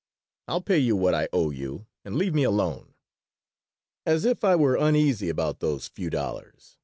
I'll pay you what I owe you and leave me alone." "As if I were uneasy about those few dollars!"